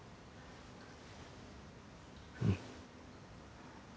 うん。